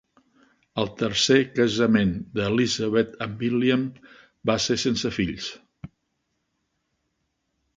El tercer casament d'Elizabeth, amb William, va ser sense fills.